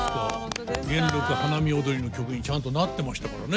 「元禄花見踊」の曲にちゃんとなってましたからね。